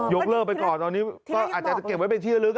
เลิกไปก่อนตอนนี้ก็อาจจะเก็บไว้เป็นที่ละลึก